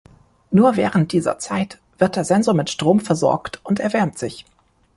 Nur während dieser Zeit wird der Sensor mit Strom versorgt und erwärmt sich.